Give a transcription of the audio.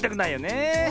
ねえ。